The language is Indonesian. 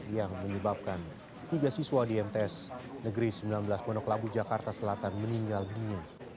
yang menyebabkan tiga siswa di mts negeri sembilan belas pondok labu jakarta selatan meninggal dunia